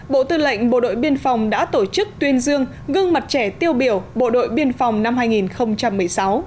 bộ tư lệnh bộ đội biên phòng đã tổ chức tuyên dương gương mặt trẻ tiêu biểu bộ đội biên phòng năm hai nghìn một mươi sáu